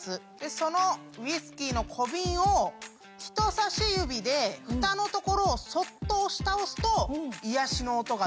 そのウイスキーの小瓶を人さし指でふたの所をそっと押し倒すと。